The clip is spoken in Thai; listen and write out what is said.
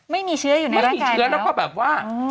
ไม่มีเชื้ออยู่นะไม่มีเชื้อแล้วก็แบบว่า